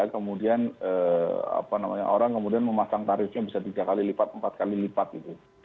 kemudian orang kemudian memasang tarifnya bisa tiga kali lipat empat kali lipat gitu